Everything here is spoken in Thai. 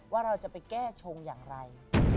ว่าเราจะไปแก้ชงอย่างไร